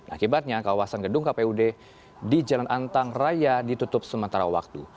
akibatnya kawasan gedung kpud di jalan antang raya ditutup sementara waktu